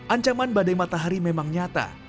ancaman badai matahari memang nyata